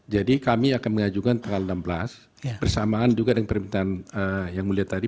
jadi kami akan mengajukan tanggal enam belas bersamaan juga dengan permintaan yang mulia tadi